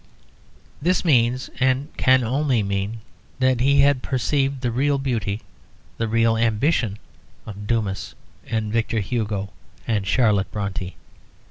This means, and can only mean, that he had perceived the real beauty, the real ambition of Dumas and Victor Hugo and Charlotte Brontë.